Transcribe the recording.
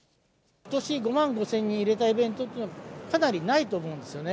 ことし５万５０００人入れたイベントって、かなりないと思うんですよね。